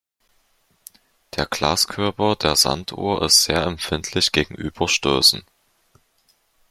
Der Glaskörper der Sanduhr ist sehr empfindlich gegenüber Stößen.